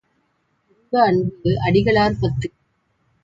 இன்ப அன்பு அடிகளார் பத்து.